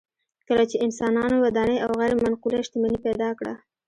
کله چې انسانانو ودانۍ او غیر منقوله شتمني پیدا کړه